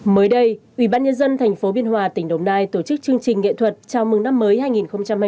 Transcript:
mới đây ubnd tp biên hòa tỉnh đồng nai tổ chức chương trình nghệ thuật chào mừng năm mới hai nghìn hai mươi ba